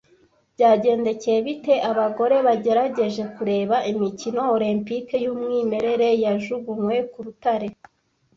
Byagendekeye bite abagore bagerageje kureba imikino Olempike y'umwimerere Yajugunywe ku rutare